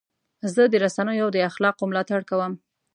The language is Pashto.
زه د رسنیو د اخلاقو ملاتړ کوم.